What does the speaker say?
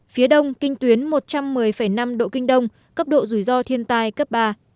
phía đông kinh tuyến một trăm một mươi năm độ kinh đông cấp độ rủi ro thiên tai cấp ba